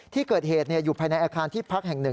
ที่เกิดเหตุอยู่ภายในอาคารที่พักแห่ง๑